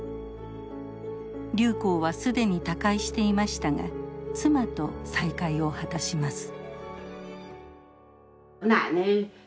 劉好は既に他界していましたが妻と再会を果たします。